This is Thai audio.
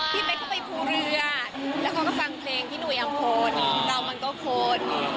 พี่เป๊กเข้าไปครูเรือแล้วก็ฟังเพลงที่หนุยอกโพนเรามันก็โค้ด